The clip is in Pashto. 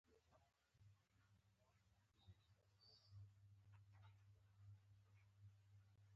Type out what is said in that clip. ورزش د بدن د اوبو توازن ساتي.